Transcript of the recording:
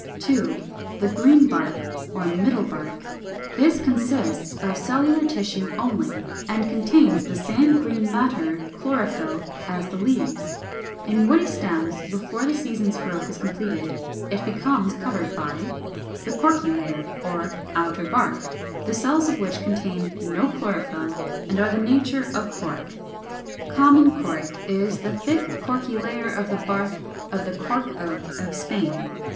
2. The GREEN BARK or Middle Bark. This consists of cellular tissue only, and contains the same green matter (chlorophyll, 417) as the leaves. In woody stems, before the season's growth is completed, it becomes covered by 3. The CORKY LAYER or Outer Bark, the cells of which contain no chlorophyll, and are of the nature of cork. Common cork is the thick corky layer of the bark of the Cork Oak of Spain.